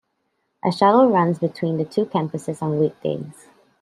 A shuttle runs between the two campuses on weekdays.